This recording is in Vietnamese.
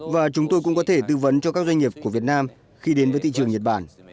và chúng tôi cũng có thể tư vấn cho các doanh nghiệp của việt nam khi đến với thị trường nhật bản